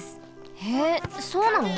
へえそうなの？